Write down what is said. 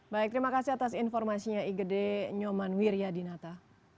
baik terima kasih atas informasinya igd nyoman wiryadinata